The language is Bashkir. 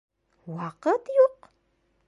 Ваҡыт юҡ?